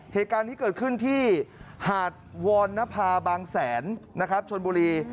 เหตุการณ์นี้เกิดขึ้นที่หาดวรณภาบางแสนนะครับชนบุรี